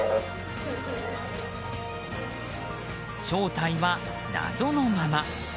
正体は謎のまま。